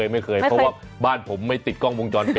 ไม่เคยเพราะว่าบ้านผมไม่ติดกล้องวงจรปิด